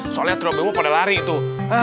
soalnya trio bemo pada lari itu